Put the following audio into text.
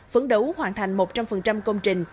phấn đấu hoàn thành một trăm linh công trình